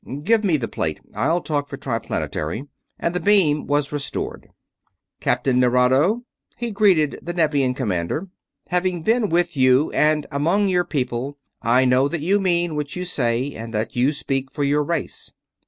Give me the plate I'll talk for Triplanetary," and the beam was restored. "Captain Nerado," he greeted the Nevian commander. "Having been with you and among your people, I know that you mean what you say and that you speak for your race.